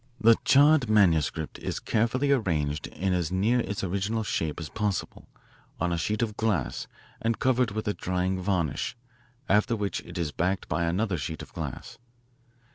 The charred manuscript is carefully arranged in as near its original shape as possible, on a sheet of glass and covered with a drying varnish, after which it is backed by another sheet of glass.